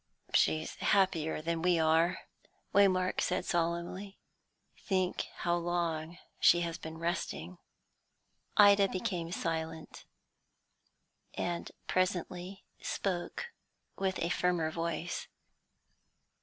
"She's happier than we are," Waymark said solemnly. "Think how long she has been resting." Ida became silent, and presently spoke with a firmer voice.